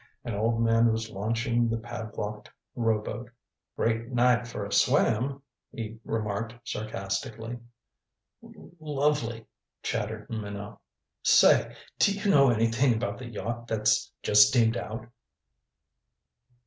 An old man was launching the padlocked rowboat. "Great night for a swim," he remarked sarcastically. "L lovely," chattered Minot. "Say, do you know anything about the yacht that's just steamed out?"